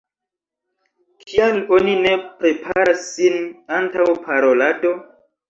Kial oni ne preparas sin antaŭ parolado?